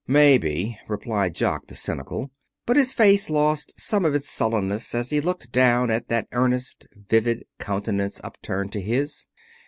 "Maybe," replied Jock the cynical. But his face lost some of its sullenness as he looked down at that earnest, vivid countenance up turned to his.